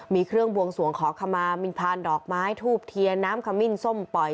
มีเครื่องบวงสวงขอขมามินพานดอกไม้ทูบเทียนน้ำขมิ้นส้มปล่อย